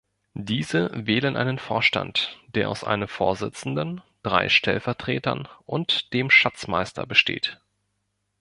Diese wählen einen Vorstand, der aus einem Vorsitzenden, drei Stellvertretern und dem Schatzmeister besteht.